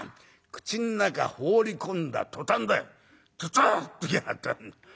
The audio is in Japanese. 口の中放り込んだ途端だよツツッと来やがった。